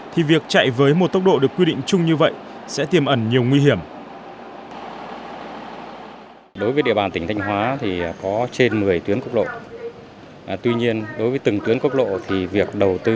thì việc chạy với một tốc độ được quy định chung như vậy sẽ tiềm ẩn nhiều nguy hiểm